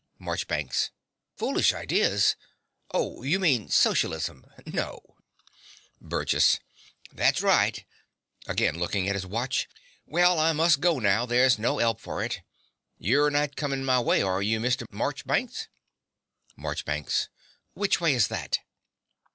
MARCHBANKS. Foolish ideas! Oh, you mean Socialism. No. BURGESS. That's right. (Again looking at his watch.) Well, I must go now: there's no 'elp for it. Yo're not comin' my way, are you, Mr. Morchbanks? MARCHBANKS. Which way is that?